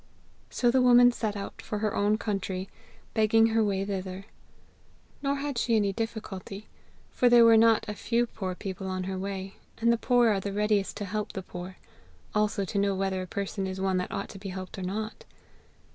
So the woman set out for her own country, begging her way thither. Nor had she any difficulty, for there were not a few poor people on her way, and the poor are the readiest to help the poor, also to know whether a person is one that ought to be helped or not.